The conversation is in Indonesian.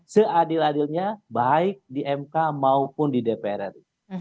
seadil adilnya baik di mk maupun di dpr ri